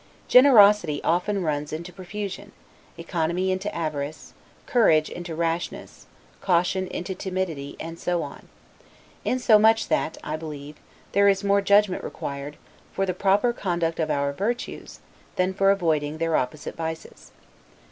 Generosity often runs into profusion, economy into avarice, courage into rashness, caution into timidity, and so on: insomuch that, I believe, there is more judgment required, for the proper conduct of our virtues, than for avoiding their opposite vices.